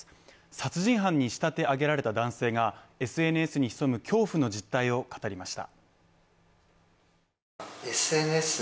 殺人犯に仕立て上げられた男性がＳＮＳに潜む恐怖の実態を語りました。